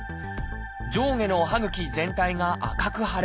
上下の歯ぐき全体が赤く腫れ